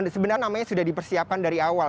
sebenarnya namanya sudah dipersiapkan dari awal